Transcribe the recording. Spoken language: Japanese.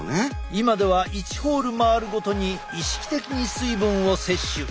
今では１ホール回るごとに意識的に水分を摂取。